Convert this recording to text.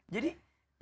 biar gak usah